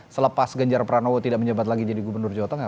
selepas ganjar pranowo tidak menjabat lagi jadi gubernur jawa tengah